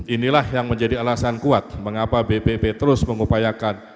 inilah yang menjadi alasan kuat mengapa bpp terus mengupayakan